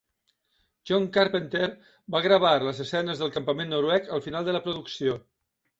John Carpenter va gravar les escenes del campament noruec al final de la producció.